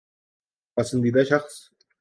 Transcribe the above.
نا پسندیدہ شخص